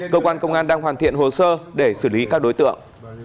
cơ quan công an đang hoàn thiện hồ sơ để xử lý các đối tượng